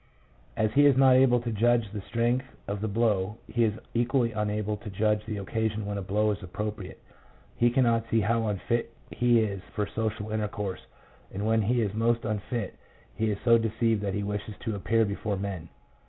As he is not able to judge the strength of the blow, he is equally unable to judge the occasion when a blow is appropriate. He cannot see how unfit he is for social intercourse, and when he is most unfit he is so deceived that he wishes to appear before men.